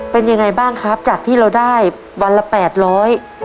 เป็นยังไงบ้างครับจากที่เราได้วันละแปดร้อย